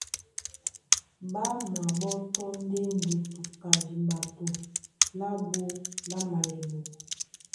Ɓá maɓótɔ́ ndé ndútú ka diɓato lábū lá malɛbu.